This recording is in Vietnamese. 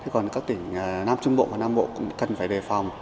còn các tỉnh nam trung bộ và nam bộ cũng cần phải đề phòng